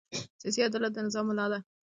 سیاسي عدالت د نظام ملا ده